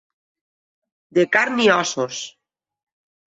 De carn i ossos.